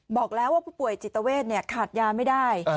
บอกแล้วว่าผู้ป่วยจิตเวทขาดยาไม่ได้